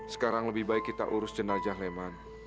sekarang lebih baik kita urus jenajah leman